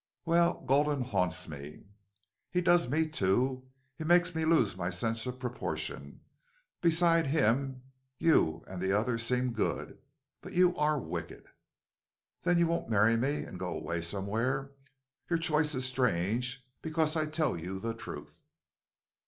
"Well, Gulden haunts me." "He does me, too. He makes me lose my sense of proportion. Beside him you and the others seem good. But you ARE wicked." "Then you won't marry me and go away somewhere?... Your choice is strange. Because I tell you the truth."